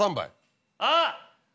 あっ。